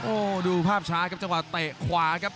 โอ้โหดูภาพช้าครับจังหวะเตะขวาครับ